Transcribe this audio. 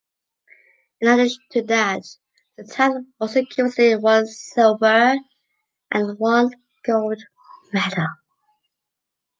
In addition to that, the town also gives away one silver and one gold medal.